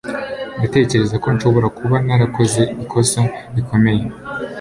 Ndatekereza ko nshobora kuba narakoze ikosa rikomeye.